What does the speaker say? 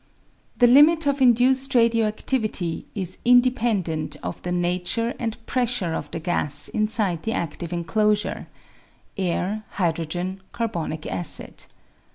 __..,^ j 1 r n The limit of induced radto acttvity is uidcpendent oj the nature and pressure of the gas inside the active enclosure (air, hydrogen, carbonic acid).